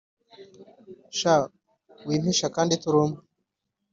sha wimpisha kandi turi umwe